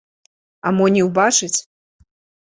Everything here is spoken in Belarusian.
А мо не ўбачыць!